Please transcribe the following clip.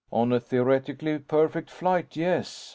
"On a theoretically perfect flight, yes.